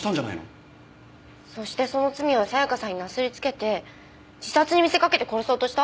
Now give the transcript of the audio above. そしてその罪を沙也加さんになすりつけて自殺に見せかけて殺そうとした？